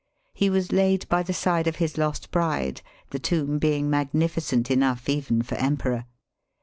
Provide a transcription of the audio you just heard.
He was laid by the side of his lost bride, the tomb being magnifi cent enough even for emperor.